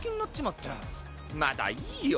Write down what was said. まだいいよ。